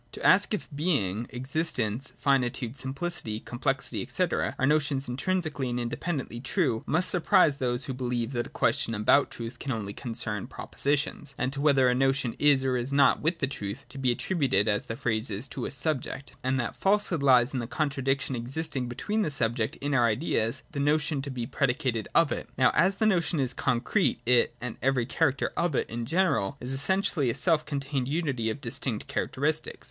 To ask if being, existence, finitude, simplicity, com plexity, &c. are notions intrinsically and independently true, must surprise those who believe that a question about truth can only concern propositions (as to whether a notion is or is not with truth to be attri buted, as the phrase is, to a subject), and that falsehood lies in the contradiction existing between the subject in our ideas, and the notion to be predicated of it. Now as the notion is concrete, it and every character of it in general is essentially a self contained unity of distinct characteristics.